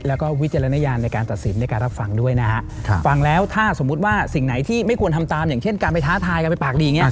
แล้วก็วิจารณญาณในการตัดสินในการรับฟังด้วยนะฮะฟังแล้วถ้าสมมุติว่าสิ่งไหนที่ไม่ควรทำตามอย่างเช่นการไปท้าทายกันไปปากดีอย่างนี้